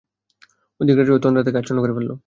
অধিক রাত্রি হওয়ায় তন্দ্রা তাকে আচ্ছন্ন করে ফেলল।